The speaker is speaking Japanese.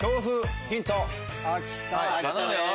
頼むよ！